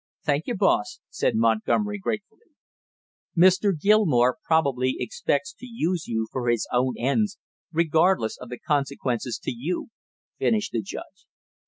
"Thank you, boss!" said Montgomery gratefully. "Mr. Gilmore probably expects to use you for his own ends regardless of the consequences to you," finished the judge.